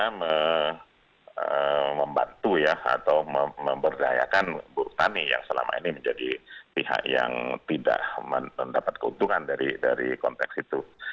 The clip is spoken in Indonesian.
bagaimana membantu ya atau memberdayakan buruh tani yang selama ini menjadi pihak yang tidak mendapat keuntungan dari konteks itu